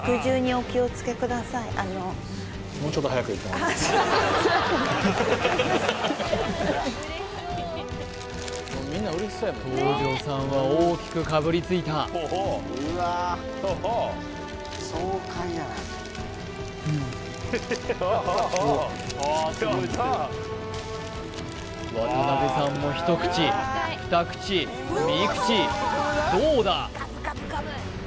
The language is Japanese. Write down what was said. すいません東條さんは大きくかぶりついた渡邉さんも一口二口三口どうだ？